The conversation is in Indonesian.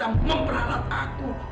dan memperalat aku